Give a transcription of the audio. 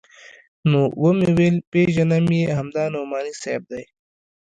نو ومې ويل پېژنم يې همدا نعماني صاحب دى.